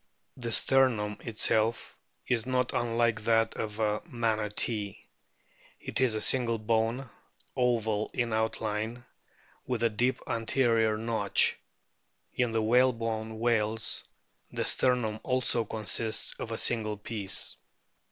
The sternum itself is not unlike that of a Manatee ; it is a single bone, oval in outline, with a deep anterior notch. In the whalebone whales the sternum also consists of a single piece.